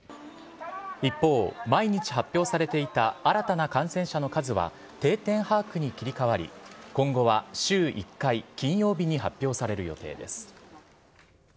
一方、毎日発表されていた新たな感染者の数は定点把握に切り替わり、今後は、週１回金曜日に発表される予定です。